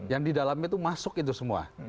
yang di dalam itu masuk itu semua